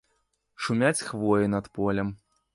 Шумяць хвоі над полем.